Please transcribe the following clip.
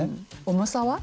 重さは？